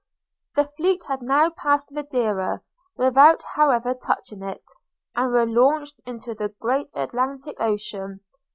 The fleet had now passed Madeira, without however touching at it, and were launched into the great Atlantic Ocean.